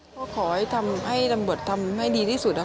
พ่อขอให้ทำให้ลำบวชทำให้ดีที่สุดอะค่ะ